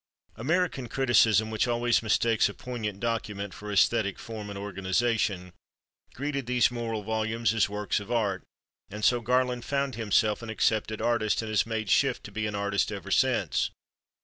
American criticism, which always mistakes a poignant document for æsthetic form and organization, greeted these moral volumes as works of art, and so Garland found himself an accepted artist and has made shift to be an artist ever since.